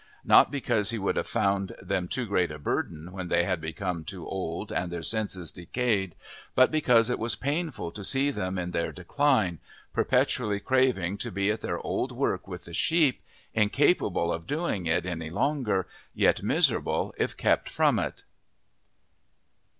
Not because he would have found them too great a burden when they had become too old and their senses decayed, but because it was painful to see them in their decline, perpetually craving to be at their old work with the sheep, incapable of doing it any longer, yet miserable if kept from it.